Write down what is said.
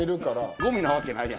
ゴミなわけないやん。